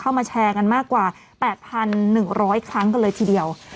เข้ามาแชร์กันมากกว่า๘๑๐๐ครั้งกันเลยทีเดียว